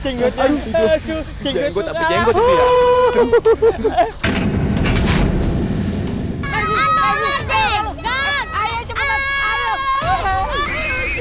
aduh saya terpusing ibu ibu laporan warga